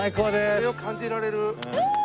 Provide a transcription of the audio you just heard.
風を感じられる。